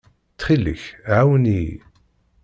Ttxil-k, ɛawen-iyi.